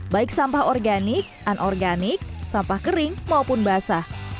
baik sampah organik anorganik sampah kering maupun basah